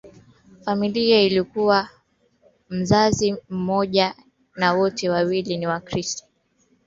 familia ikiwa mzazi mmoja au wote wawili ni Wakristo tayari Katika madhehebu